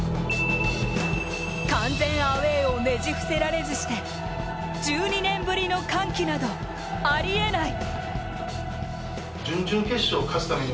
完全アウェーをねじ伏せられずして１２年ぶりの歓喜などあり得ない。